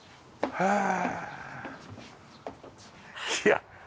へえ！